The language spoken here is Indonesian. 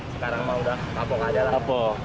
sekarang sudah takut saja